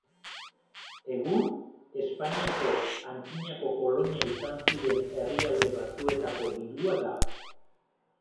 Egun, Espainiako antzinako kolonia izan ziren herrialde batzuetako dirua da.